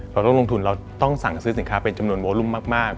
เราต้องลงทุนเราต้องสั่งซื้อสินค้าเป็นจำนวนโวลุ่มมาก